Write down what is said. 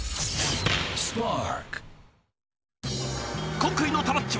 今回のたまッチ！